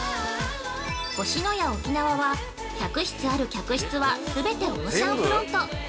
◆星のや沖縄は、１００室ある客室は全てオーシャンフロント。